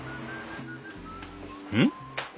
うん？